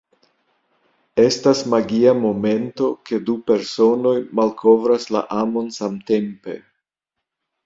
Estas magia momento ke du personoj malkovras la amon samtempe.